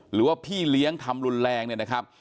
หรือว่าพี่เลี้ยงทำรุนแรงเนี่ยนะครับ